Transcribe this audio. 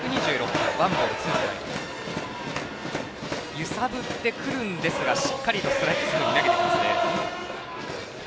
揺さぶってくるんですがしっかりとストライクゾーンに投げてきますね。